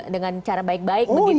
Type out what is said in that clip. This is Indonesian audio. dengan cara baik baik begitu ya